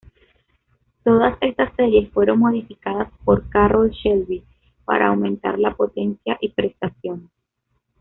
Todas estas series fueron modificadas por Carroll Shelby para aumentar la potencia y prestaciones.